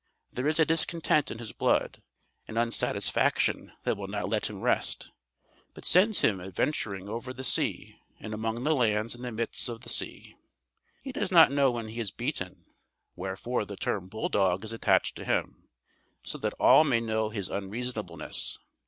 There is a discontent in his blood, an unsatisfaction that will not let him rest, but sends him adventuring over the sea and among the lands in the midst of the sea. He does not know when he is beaten, wherefore the term "bulldog" is attached to him, so that all may know his unreasonableness.